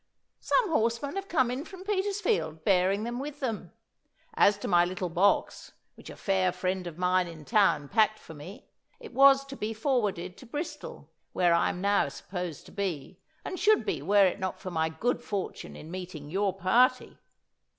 'Some horsemen have come in from Petersfield, bearing them with them. As to my little box, which a fair friend of mine in town packed for me, it was to be forwarded to Bristol, where I am now supposed to be, and should be were it not for my good fortune in meeting your party.